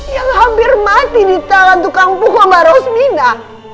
yang hampir mati di tangan tukang pukul mbak rosmina